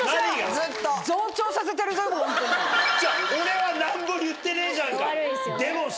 俺は何も言ってねえじゃんか。